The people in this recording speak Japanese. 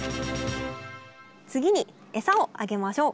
次にエサをあげましょう！